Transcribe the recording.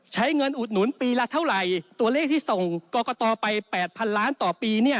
ใช้เงินอุดหนุนปีละเท่าไหร่ตัวเลขที่ส่งกรกตไป๘๐๐๐ล้านต่อปี